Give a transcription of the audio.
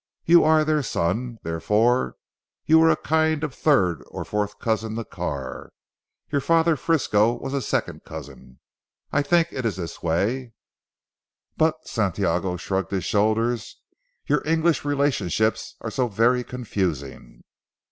You are their son. Therefore you were a kind of third or fourth cousin to Carr. Your father Frisco was a second cousin. I think it is this way, but," Santiago shrugged his shoulders "your English relationships are so very confusing."